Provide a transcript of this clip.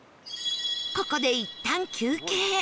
ここでいったん休憩